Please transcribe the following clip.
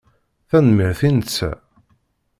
Tanemmirt i netta.